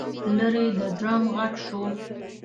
لرې د ډرم غږ شو.